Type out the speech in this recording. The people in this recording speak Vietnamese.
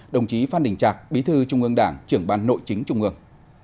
đồng chí phan đình trạc bí thư trung ương đảng trưởng ban nội chính trung ương